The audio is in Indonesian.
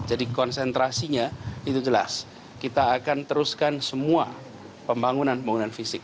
jadi konsentrasinya itu jelas kita akan teruskan semua pembangunan pembangunan fisik